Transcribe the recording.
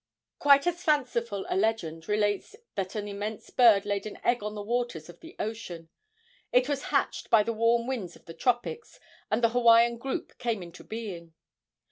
Quite as fanciful a legend relates that an immense bird laid an egg on the waters of the ocean. It was hatched by the warm winds of the tropics, and the Hawaiian group came into being.